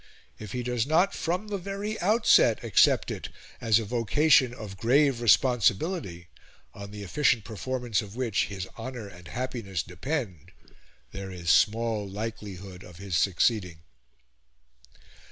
If he does not from the very outset accept it as a vocation of grave responsibility, on the efficient performance of which his honour and happiness depend, there is small likelihood of his succeeding."